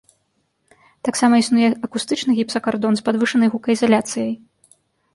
Таксама існуе акустычны гіпсакардон з падвышанай гукаізаляцыяй.